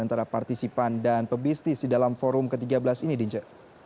antara partisipan dan pebisnis di dalam forum ke tiga belas ini dince